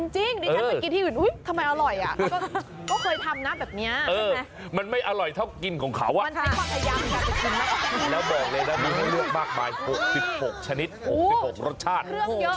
จริงดิฉันเมื่อกี้ที่อื่นเฮ้ยทำไมอร่อย